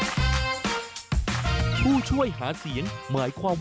ผู้ช่วยหาเสียงต้องเป็นผู้ที่มีสิทธิ์เลือกตั้งมีอายุ๑๘นาทีและเป็นผู้ช่วยหาเสียงที่ได้แจ้งรายละเอียดหน้าที่